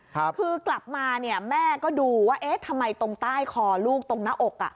คือกลับมาแม่ก็ดูว่าทำไมตรงใต้คอลูกตรงหน้าอก